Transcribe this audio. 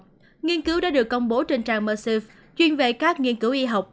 nhiều nghiên cứu đã được công bố trên trang mersive chuyên về các nghiên cứu y học